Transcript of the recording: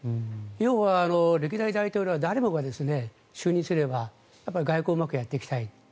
要は歴代大統領は誰もが就任すれば外交をうまくやっていきたいと。